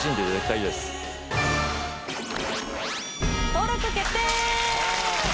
登録決定！